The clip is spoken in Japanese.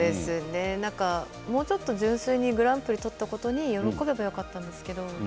もう少し純粋にグランプリを取ったことで喜べばよかったんですけど。